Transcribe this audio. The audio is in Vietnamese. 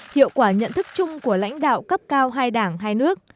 hiệu quả nhận thức chung của lãnh đạo cấp cao hai đảng hai nước